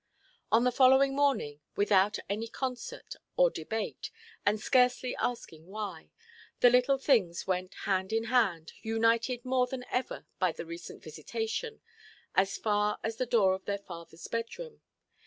On the following morning, without any concert or debate, and scarcely asking why, the little things went hand in hand, united more than ever by the recent visitation, as far as the door of their fatherʼs bedroom.